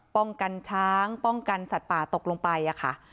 ป้องกันช้างป้องกันสัตว์ป่าตกลงไปค่ะ